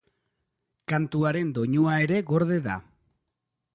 Kantuaren doinua ere gorde da.